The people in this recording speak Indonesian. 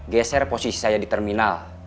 geser posisi saya di terminal